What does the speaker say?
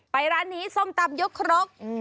ร้านนี้ส้มตำยกครก